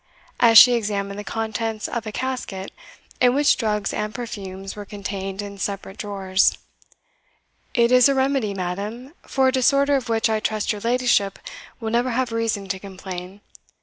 as she examined the contents of a casket in which drugs and perfumes were contained in separate drawers. "It is a remedy, Madam, for a disorder of which I trust your ladyship will never have reason to complain.